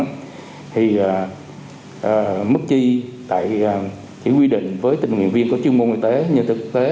thì mức chi tại chỉ quy định với tình nguyện viên có chuyên môn y tế như thực tế